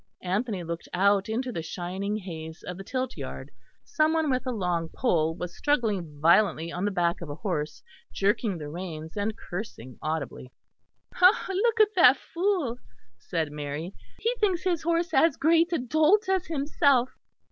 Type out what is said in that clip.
Anthony looked out into the shining haze of the tilt yard. Some one with a long pole was struggling violently on the back of a horse, jerking the reins and cursing audibly. "Look at that fool," said Mary, "he thinks his horse as great a dolt as himself.